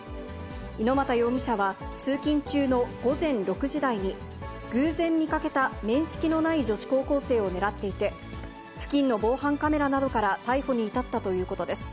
猪股容疑者は、通勤中の午前６時台に、偶然見かけた面識のない女子高校生を狙っていて、付近の防犯カメラなどから逮捕に至ったということです。